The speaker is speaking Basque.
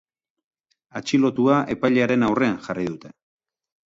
Atxilotua epailearen aurrean jarri dute.